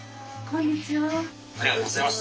こんにちは。